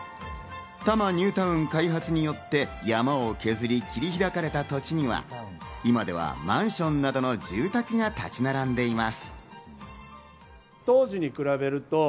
多摩ニュータウン開発によって山を削り、切り開かれた土地には今ではマンションなどの住宅が建ち並んでいます。